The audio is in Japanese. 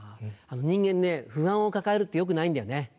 人間ね不安を抱えるってよくないんだよね。